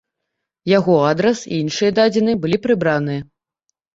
Яго адрас і іншыя дадзеныя былі прыбраныя.